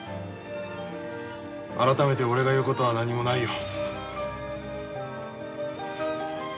改めて俺が言うことは何もないよ。